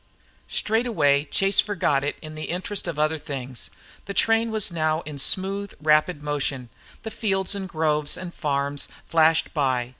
Straightway Chase forgot it in the interest of other things. The train was now in smooth, rapid motion; the fields and groves and farms flashed by.